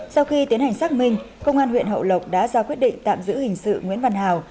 sau khi tiến hành xác minh công an huyện hậu lộc đã ra quyết định tạm giữ hình sự nguyễn văn hào